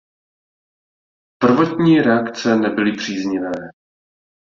Prvotní reakce nebyly příznivé.